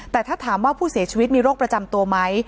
แต่ถ้าถามว่าผู้เสียชีวิตมีโรคประจำตัวไหม